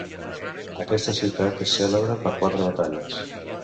Aquesta ciutat és cèlebre per quatre batalles.